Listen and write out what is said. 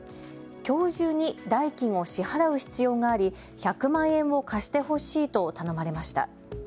きょう中に代金を支払う必要があり１００万円を貸してほしいと頼まれました。